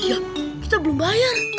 iya kita belum bayar